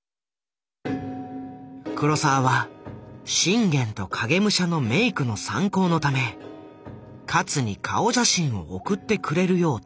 黒澤は信玄と影武者のメイクの参考のため勝に顔写真を送ってくれるよう頼んだ。